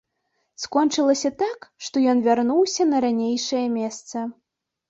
Скончылася так, што ён вярнуўся на ранейшае месца.